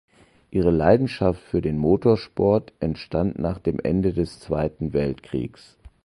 Ihre Leidenschaft für den Motorsport entstand nach dem Ende des Zweiten Weltkriegs.